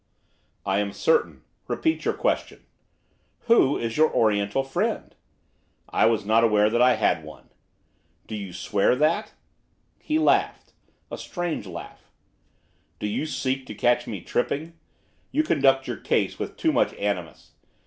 'I am certain. Repeat your question.' 'Who is your Oriental friend?' 'I was not aware that I had one.' 'Do you swear that?' He laughed, a strange laugh. 'Do you seek to catch me tripping? You conduct your case with too much animus.